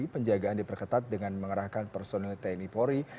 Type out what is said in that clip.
penjagaan diperketat dengan mengerahkan personil tni polri